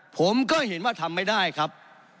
ผมก็เห็นว่าทำไม่ได้ครับ